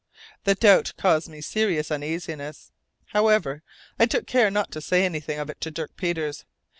The doubt caused me serious uneasiness. However, I took good care not to say anything of it to Dirk Peters.